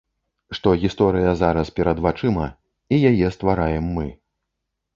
Што гісторыя зараз, перад вачыма, і яе ствараем мы.